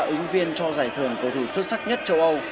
ứng viên cho giải thưởng cầu thủ xuất sắc nhất châu âu